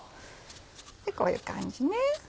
こういう感じね。